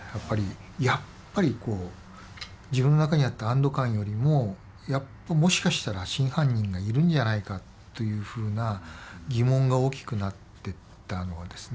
やっぱりこう自分の中にあった安ど感よりもやっぱもしかしたら真犯人がいるんじゃないかというふうな疑問が大きくなってったのはですね。